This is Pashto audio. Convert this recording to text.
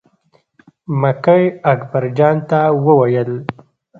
مکۍ اکبر جان ته وویل.